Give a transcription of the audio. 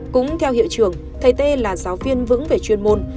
cũng theo hiệu trưởng thầy t là giáo viên vững về chuyên môn